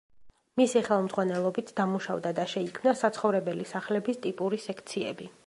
მისი ხელმძღვანელობით დამუშავდა და შეიქმნა საცხოვრებელი სახლების ტიპური სექციები.